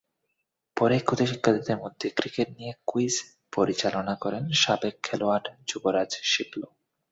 পরে খুদে শিক্ষার্থীদের মধ্যে ক্রিকেট নিয়ে কুইজ পরিচালনা করেন সাবেক খেলোয়াড় যুবরাজ শিপলু।